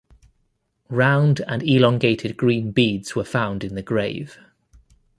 Round and elongated green beads were found in the grave.